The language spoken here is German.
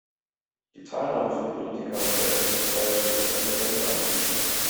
Die Teilnahme von Politikern an der Eröffnungsfeier steht auf einem völlig anderen Blatt.